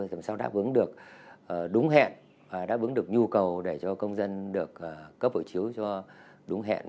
làm sao đáp ứng được đúng hẹn đáp ứng được nhu cầu để cho công dân được cấp hộ chiếu cho đúng hẹn